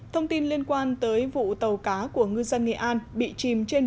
thông tin liên quan tới vụ tàu cá của ngư dân nghệ an